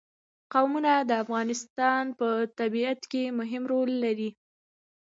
قومونه د افغانستان په طبیعت کې مهم رول لري.